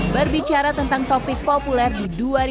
berbicara tentang topik populer di dua ribu dua puluh